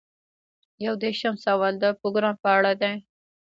یو دېرشم سوال د پروګرام په اړه دی.